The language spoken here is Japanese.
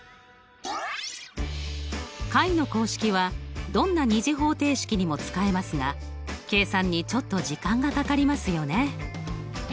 解の公式はどんな２次方程式にも使えますが計算にちょっと時間がかかりますよね。